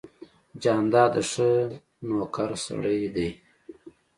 جانداد د ښه نویکر سړی دی.